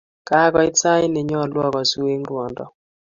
Kagoit sait ne nyolu ogosu eng' ruondo.